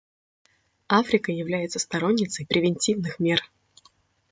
Африка является сторонницей превентивных мер.